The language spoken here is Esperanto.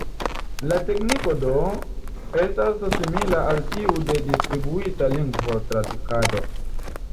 La tekniko do estas simila al tiu de Distribuita Lingvo-Tradukado.